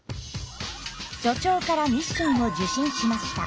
所長からミッションを受信しました。